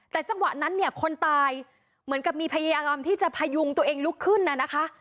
แต่จังหวะนั้นเนี่ยคนตายเหมือนกับมีพยายามที่จะพยุงตัวเองลุกขึ้นน่ะนะคะ